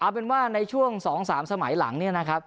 อื้อ